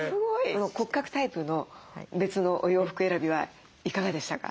この骨格タイプの別のお洋服選びはいかがでしたか？